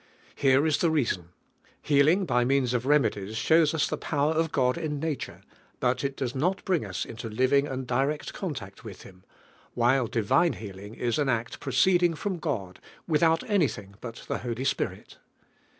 Here. is the reason. Heal ing by means of remedies shows us the power of God in nature; but it does not bring us into living and direct contact with Him; while divine healing is an act proceeding from God, without anything but the Holy Spirit.